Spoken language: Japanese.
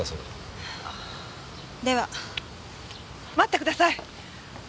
待ってください。